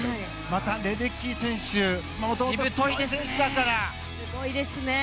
また、レデッキー選手しぶといですね。